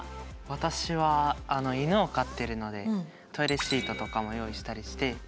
私は犬を飼ってるのでトイレシートとかも用意したりして。